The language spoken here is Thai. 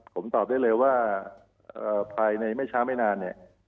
ผมตอบได้เลยว่าภายในไม่ช้าไม่นานเนี่ย